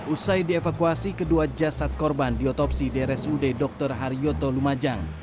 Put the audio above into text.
usai dievakuasi kedua jasad korban di otopsi drsud dr haryoto lumajang